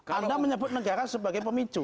anda menyebut negara sebagai pemicu